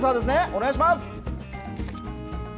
お願いします。